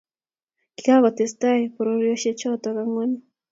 Kikakotestai pororiosiechoto angwanu